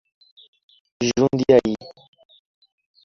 Jundiaí